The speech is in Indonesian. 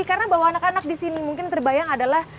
karena bahwa anak anak disini mungkin terbayang adalah